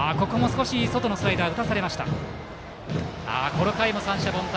この回も三者凡退。